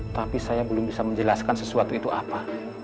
tapi saya belum bisa menjelaskan sesuatu itu apa